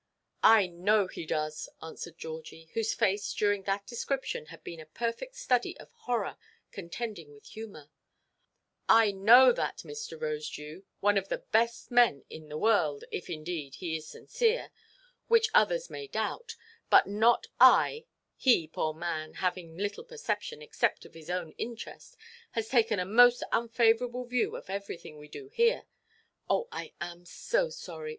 "I know he does," answered Georgie, whose face during that description had been a perfect study of horror contending with humour; "I know that Mr. Rosedew, one of the best men in the world, if, indeed, he is sincere—which others may doubt, but not I—he, poor man, having little perception, except of his own interest, has taken a most unfavourable view of everything we do here. Oh, I am so sorry.